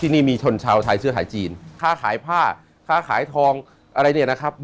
นี่มีชนชาวไทยเสื้อขายจีนค่าขายผ้าค้าขายทองอะไรเนี่ยนะครับ